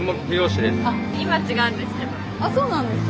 あっそうなんですか？